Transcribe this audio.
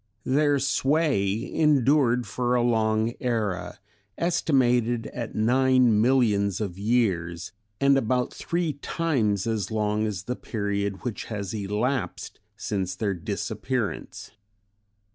Their sway endured for a long era, estimated at nine millions of years, and about three times as long as the period which has elapsed since their disappearance.